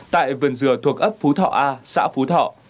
tại vườn dừa thuộc ấp phú thọ a xã phú thọ